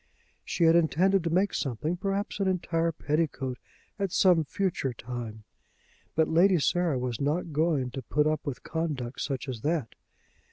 She had intended to make something, perhaps an entire petticoat, at some future time. But Lady Sarah was not going to put up with conduct such as that.